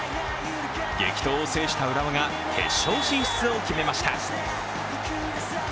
激闘を制した浦和が決勝進出を決めました。